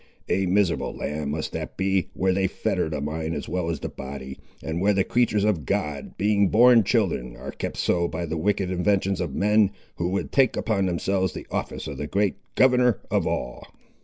A miserable land must that be, where they fetter the mind as well as the body, and where the creatures of God, being born children, are kept so by the wicked inventions of men who would take upon themselves the office of the great Governor of all!"